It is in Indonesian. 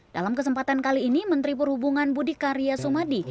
dalam kesempatan kali ini menteri perhubungan budi karya sumadi